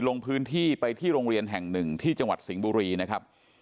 ลงพื้นที่ไปที่โรงเรียนแห่งหนึ่งที่จังหวัดสิงห์บุรีนะครับ